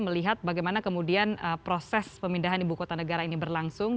melihat bagaimana kemudian proses pemindahan ibu kota negara ini berlangsung